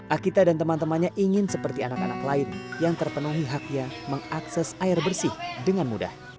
akita dan teman temannya ingin seperti anak anak lain yang terpenuhi haknya mengakses air bersih dengan mudah